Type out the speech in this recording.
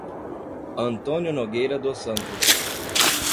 Antônio Nogueira dos Santos